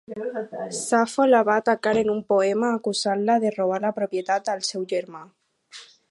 Safo la va atacar en un poema, acusant-la de robar la propietat al seu germà.